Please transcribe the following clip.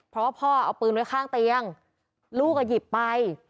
เพราะว่าพ่อเอาปืนไว้ข้างเตียงลูกก็หยิบไป